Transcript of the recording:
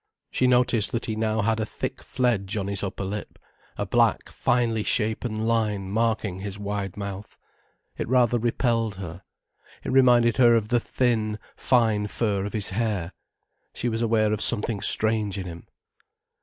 She noticed that he now had a thick fledge on his upper lip, a black, finely shapen line marking his wide mouth. It rather repelled her. It reminded her of the thin, fine fur of his hair. She was aware of something strange in him.